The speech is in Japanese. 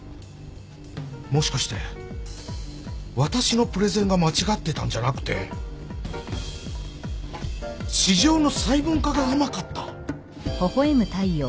もしかして私のプレゼンが間違ってたんじゃなくて市場の細分化が甘かった？